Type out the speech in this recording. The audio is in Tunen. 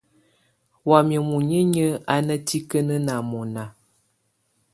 Wamɛ̀á muninyǝ́ á ná tikǝ́nǝ́ ná mɔ̀na.